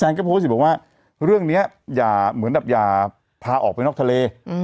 ก็โพสต์อีกบอกว่าเรื่องนี้อย่าเหมือนแบบอย่าพาออกไปนอกทะเล